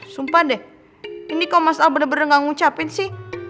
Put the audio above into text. sumpah deh ini kok mas al bener bener gak ngucapin sih